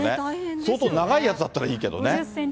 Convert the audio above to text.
相当長いやつだったらいいけど。